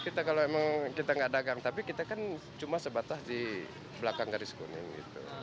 kita kalau memang kita nggak dagang tapi kita kan cuma sebatas di belakang garis kuning gitu